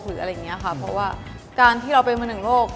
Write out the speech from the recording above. เพราะว่าการที่เราเป็นมือหนึ่งโลก